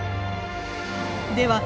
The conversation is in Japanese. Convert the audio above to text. では